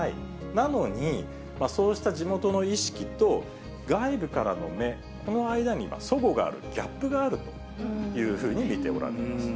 なのに、そうした地元の意識と外部からの目、この間にはそごがある、ギャップがあるというふうに見ておられます。